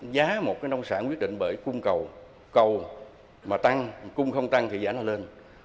giá một cái nông sản quyết định bởi cung cầu cầu mà tăng cung không tăng thì giá nó lên